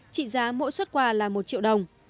trị giá mỗi suất quà là một triệu đồng